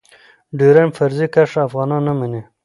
ډيورنډ فرضي کرښه افغانان نه منی.